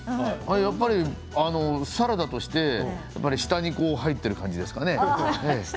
やっぱりサラダとして下に入っている感じですかね。